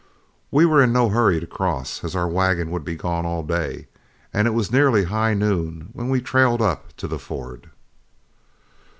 We were in no hurry to cross, as our wagon would be gone all day, and it was nearly high noon when we trailed up to the ford.